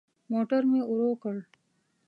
موټر مي ورو کړ .